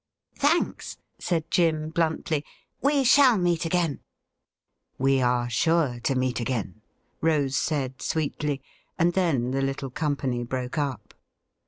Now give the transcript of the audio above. ' Thanks,' said Jim bluntly ;' we shall meet again.' 'We are sure to meet again,' Rose said sweetly, and then the little company broke up.